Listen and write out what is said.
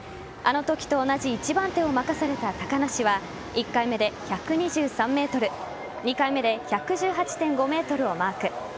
あの時と同じ１番手を任された高梨は１回目で１２３ｍ２回目で１１８．５ｍをマーク。